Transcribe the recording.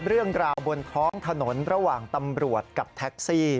เรื่องราวบนท้องถนนระหว่างตำรวจกับแท็กซี่